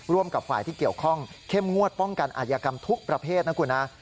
ร่วมกับฝ่ายที่เกี่ยวข้องเข้มงวดป้องกันอาจยากรรมทุกประเภทนะคุณนะ